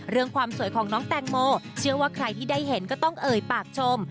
ความสวยของน้องแตงโมเชื่อว่าใครที่ได้เห็นก็ต้องเอ่ยปากชม